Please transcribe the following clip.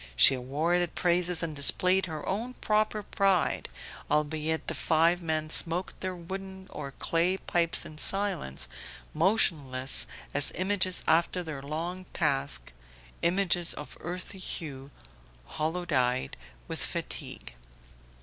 She awarded praises and displayed her own proper pride, albeit the five men smoked their wooden or clay pipes in silence, motionless as images after their long task; images of earthy hue, hollow eyed with fatigue.